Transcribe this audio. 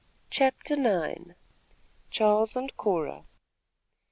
CHAPTER IX. CHARLES AND CORA.